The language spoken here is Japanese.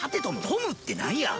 トムってなんや？